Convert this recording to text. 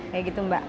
kayak gitu mbak